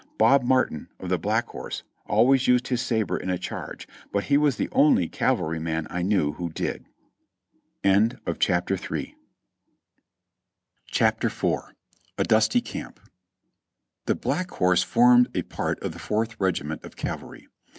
Bob Martin, of the Black Horse, always used his sabre in a charge, but he was the only cav alryman I knew who did. CHAPTER IV. ^ A DUSTY CAMP. The Black Horse formed a part of the Fourth Regiment of Ca\' ah y.